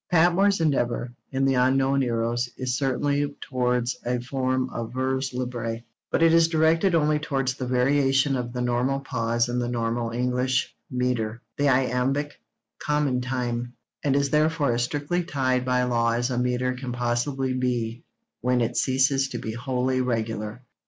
Patmore's endeavour, in The Unknown Eros, is certainly towards a form of vers libre, but it is directed only towards the variation of the normal pause in the normal English metre, the iambic 'common time,' and is therefore as strictly tied by law as a metre can possibly be when it ceases to be wholly regular.